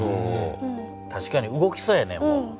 確かに動きそうやねもう。